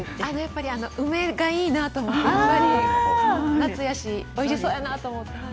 梅がいいなと思って夏やし、おいしそうやなって思って。